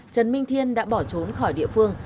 trần minh thiên đã bỏ trốn khỏi địa phương